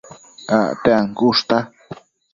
Acte ancushta